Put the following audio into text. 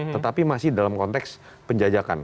tetapi masih dalam konteks penjajakan